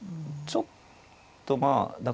ちょっとまあ